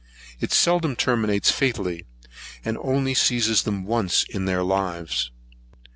It seldom terminates fatally, and only seizes them once in their lives.